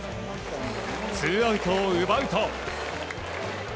ツーアウトを奪うと。